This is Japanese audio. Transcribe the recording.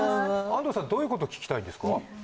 安藤さんどういうこと聞きたいんですか？